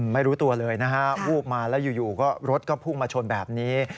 ไม่รู้ตัวเลยนะฮะวูบมาแล้วอยู่ก็รถก็พุ่งมาชนแบบนี้